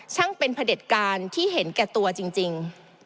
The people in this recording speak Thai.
ช่างเป็นพระเด็จการที่เห็นแก่ตัวจริง